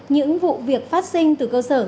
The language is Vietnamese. những vụ việc phát sinh từ cơ sở